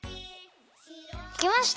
できました！